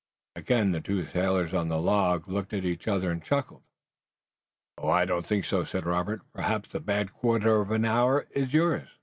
Again the two sailors on the log looked at each other and chuckled. "I don't think so, captain," said Robert. "Perhaps the bad quarter of an hour is yours."